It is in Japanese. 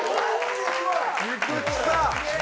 菊池さん！